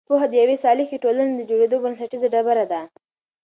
پوهه د یوې سالکې ټولنې د جوړېدو بنسټیزه ډبره ده.